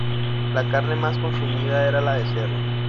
La carne más consumida era la de cerdo.